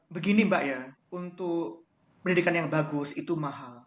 begini mbak ya untuk pendidikan yang bagus itu mahal